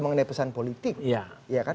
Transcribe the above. mengenai pesan politik